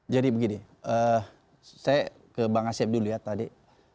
jadi begini saya ke bang asep dulu ya tadi